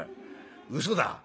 うそだ」。